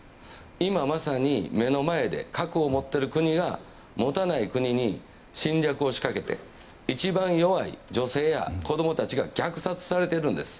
今まさに目の前で核を持っている国が持たない国に侵略を仕掛けて一番弱い女性や子供たちが虐殺されているんです。